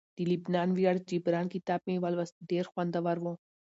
د لبنان ویاړ جبران کتاب مې ولوست ډیر خوندور وو